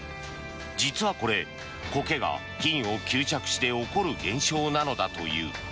実はこれ、コケが金を吸着して起こる現象なのだという。